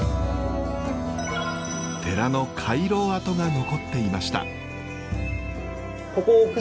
寺の回廊跡が残っていました。